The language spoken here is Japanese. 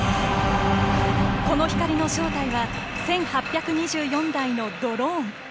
この光の正体は１８２４台のドローン。